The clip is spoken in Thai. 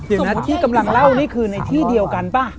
เดี๋ยวนะที่กำลังเล่านี่คือในที่เดียวกันป่ะ